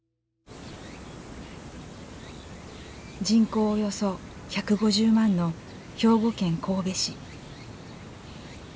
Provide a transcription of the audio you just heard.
人口およそ１５０万の兵庫県神戸市。